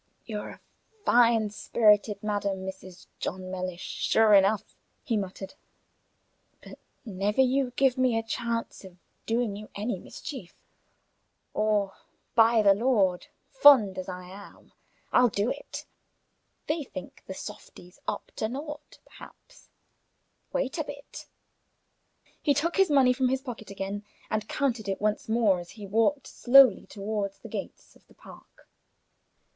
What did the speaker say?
"You're a fine spirited madam, Mrs. John Mellish, sure enough," he muttered; "but never you give me a chance of doing you any mischief, or by the Lord, fond as I am, I'll do it! They think the softy's up to naught, perhaps. Wait a bit." He took his money from his pocket again, and counted it once more as he walked slowly toward the gates of the park.